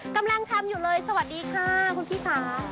กำลังทำอยู่เลยสวัสดีค่ะคุณพี่ค่ะ